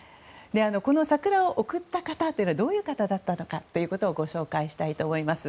この桜を贈った方というのはどういった方かというのをご紹介したいと思います。